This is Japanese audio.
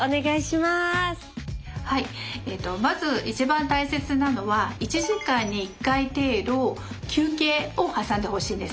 はいまず一番大切なのは１時間に１回程度休憩を挟んでほしいんですね。